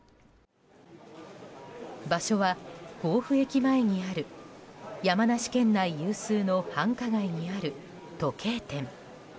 場所は甲府駅前にある山梨県内有数の繁華街にある時計店。